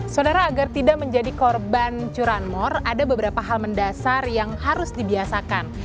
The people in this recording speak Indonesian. saudara agar tidak menjadi korban curanmor ada beberapa hal mendasar yang harus dibiasakan